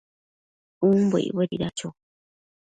umbo icbuedida cho?